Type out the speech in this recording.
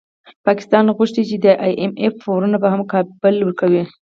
پاکستان غوښتي چي د ای اېم اېف پورونه به هم کابل ورکوي